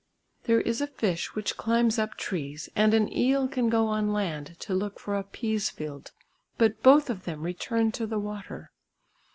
There is a fish which climbs up trees, and an eel can go on land to look for a pease field, but both of them return to the water.